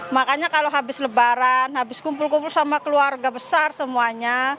makanya kalau habis lebaran habis kumpul kumpul sama keluarga besar semuanya